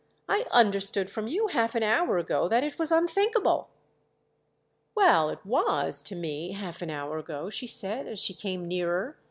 I understood from you half an hour ago that it was unthinkable." "Well, it was, to me, half an hour ago," she said as she came nearer.